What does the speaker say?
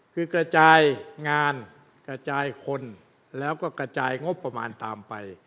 คือกระจายงานกระจายคนแล้วก็กระจายงบประมาณตามไป